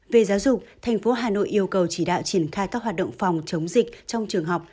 về giáo dục thành phố hà nội yêu cầu chỉ đạo triển khai các hoạt động phòng chống dịch trong trường học